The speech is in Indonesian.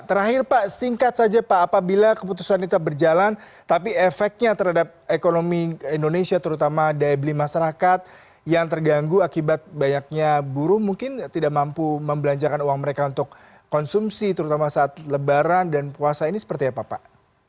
terakhir pak singkat saja pak apabila keputusan ini tetap berjalan tapi efeknya terhadap ekonomi indonesia terutama daya beli masyarakat yang terganggu akibat banyaknya buruh mungkin tidak mampu membelanjakan uang mereka untuk konsumsi terutama saat lebaran dan puasa ini seperti apa pak